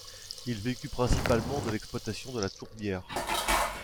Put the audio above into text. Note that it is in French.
Il vécut principalement de l'exploitation de la tourbière.